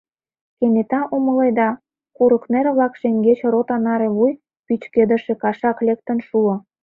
Кенета, умыледа, курыкнер-влак шеҥгеч рота наре вуй пӱчкедыше кашак лектын шуо.